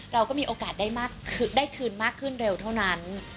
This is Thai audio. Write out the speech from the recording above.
เราก็มีโอกาสได้คืนมากขึ้นเร็วเท่านั้น